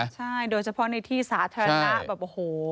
ใช่โดยเฉพาะในที่สาธารณะแบบโอ้โห